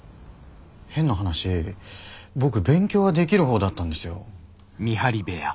変な話僕勉強はできるほうだったんですよ。